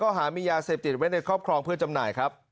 หามียาเสพติดไว้ในครอบครองเพื่อจำหน่ายครับ